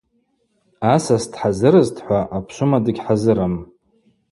Асас дхӏазырызтӏхӏва, апшвыма дыгьхӏазырым.